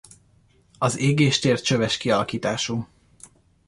Az égéstér csöves kialakítású.